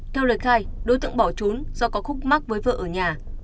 theo lời khai đối tượng bỏ trốn do có khúc mắc với vợ ở nhà